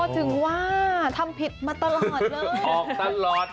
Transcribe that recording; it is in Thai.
อ๋อถึงว่าทำผิดมาตลอดเลย